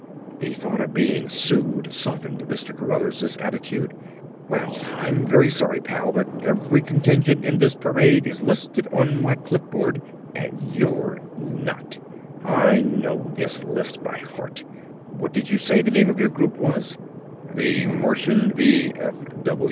The thought of being sued softened Mr. Cruthers' attitude. "Well, I'm very sorry, pal, but every contingent in this parade is listed on my clipboard and you're not. I know this list by heart. What did you say the name of your group was?" "The Martian V.